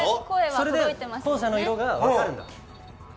それで校舎の色が分かるんだ。